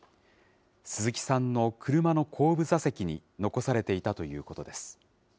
鈴木さんの車の後部座席に残されていたということです。